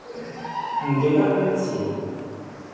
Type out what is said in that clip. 唔記得拎錢